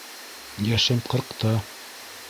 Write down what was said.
Йәшем ҡырҡта.